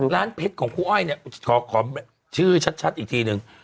ร้านเพชรของคุณอ้อยขอชื่อชัดอีกทีนึง